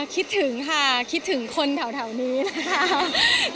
คิดถึงค่ะคิดถึงคนแถวนี้นะคะ